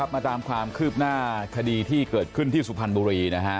มาตามความคืบหน้าคดีที่เกิดขึ้นที่สุพรรณบุรีนะฮะ